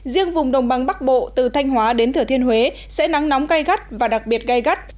riêng vùng đồng băng bắc bộ từ thanh hóa đến thừa thiên huế sẽ nắng nóng gai gắt và đặc biệt gai gắt